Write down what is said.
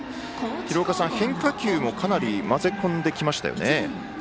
廣岡さん、変化球もかなり交ぜ込んできましたよね。